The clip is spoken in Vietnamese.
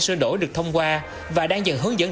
sơ đổi được thông qua và đang dần hướng dẫn